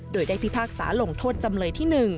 โดยได้พิพากษาลงโทษจำเลยที่๑